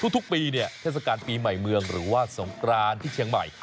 ทุกปีเนี่ยเทศกาลปีใหม่เมืองหรือว่าสงกรานที่เชียงใหม่